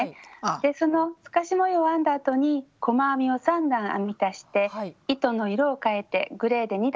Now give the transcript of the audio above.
でその透かし模様を編んだあとに細編みを３段編み足して糸の色を変えてグレーで２段編んでいます。